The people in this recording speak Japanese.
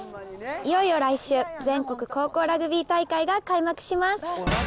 いよいよ来週、全国高校ラグビー大会が開幕します。